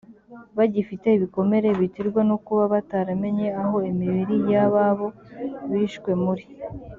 bagifite ibikomere biterwa no kuba bataramenya aho imibiri y ababo bishwe muri